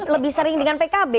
lebih sering dengan pkb